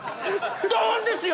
ドーン！ですよ！